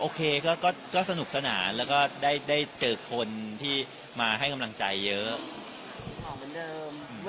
โอเคเราก็สนุกสนานแล้วก็ได้เจอคนที่มาให้กำลังใจเยอะ